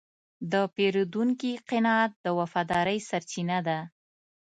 د پیرودونکي قناعت د وفادارۍ سرچینه ده.